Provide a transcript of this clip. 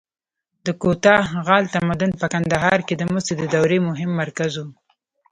د کوتاه غال تمدن په کندهار کې د مسو د دورې مهم مرکز و